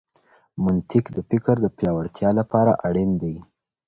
منطق د فکر د پياوړتيا لپاره اړين دی.